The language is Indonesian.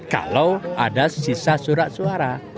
kalau ada sisa surat suara